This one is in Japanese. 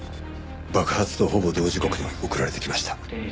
爆発とほぼ同時刻に送られてきました。